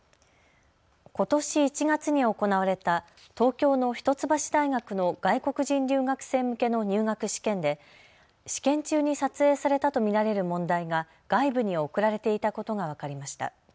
ことし１月に行われた東京の一橋大学の外国人留学生向けの入学試験で試験中に撮影されたと見られる問題が外部に送られていたことが分かりました。